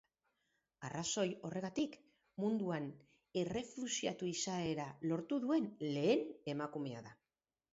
Arrazoi horregatik munduan errefuxiatu izaera lortu duen lehen emakumea da.